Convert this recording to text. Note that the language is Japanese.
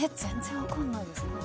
全然分かんないです。